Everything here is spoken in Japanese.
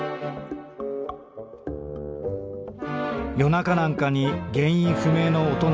「夜中なんかに原因不明の音